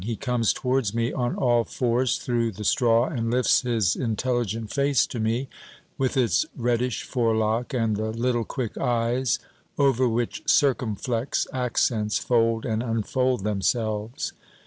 He comes towards me on all fours through the straw and lifts his intelligent face to me, with its reddish forelock and the little quick eyes over which circumflex accents fold and unfold them selves.